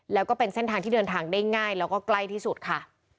แล้วก็เป็นเส้นทางที่เดินทางได้ง่ายแล้วก็ใกล้ที่สุดค่ะ